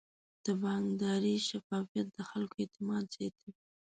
د بانکداري شفافیت د خلکو اعتماد زیاتوي.